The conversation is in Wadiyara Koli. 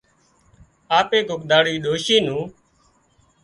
آپي ڪوڪ ۮاڙو اي ڏوشي نُون